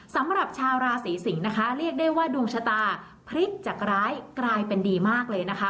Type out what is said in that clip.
สำหรับชาวราศีสิงศ์นะคะเรียกได้ว่าดวงชะตาพลิกจากร้ายกลายเป็นดีมากเลยนะคะ